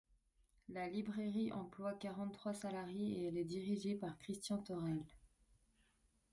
La librairie emploie quarante-trois salariés et elle est dirigée par Christian Thorel.